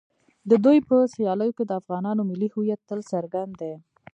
د دوی په سیالیو کې د افغانانو ملي هویت تل څرګند دی.